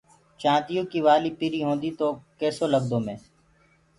چآنديو ڪي وآلي پري هوندي تو ڪيسو لگدو مي